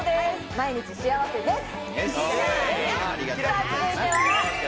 毎日幸せです。